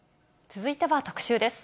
続いては特集です。